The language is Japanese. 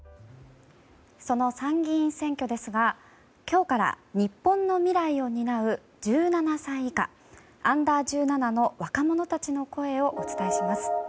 その参議院選挙ですが今日から日本の未来を担う１７歳以下Ｕ‐１７の若者たちの声をお伝えします。